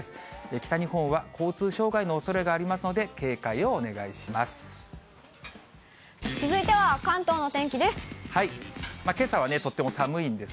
北日本は交通障害のおそれがありますので、警戒をお願いします。